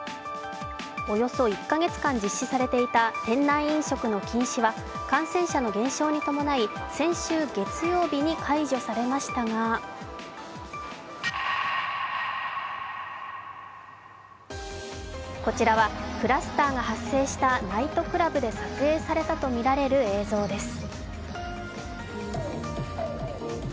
およそ１カ月間実施されていた店内飲食の禁止は感染者の減少に伴い先週月曜日に解除されましたがこちらは、クラスターが発生したナイトクラブで撮影されたとみられる映像です。